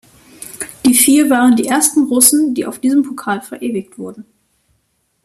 Die vier waren die ersten Russen die auf diesem Pokal verewigt wurden.